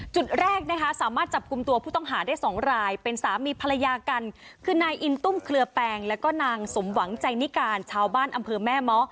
จุดแรกนะคะสามารถจับกลุ่มตัวผู้ต้องหาได้สองรายเป็นสามีภรรยากันคือนายอินตุ้มเคลือแปงแล้วก็นางสมหวังใจนิการชาวบ้านอำเภอแม่เมาะ